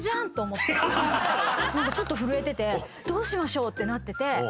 ちょっと震えてて「どうしましょう」ってなってて。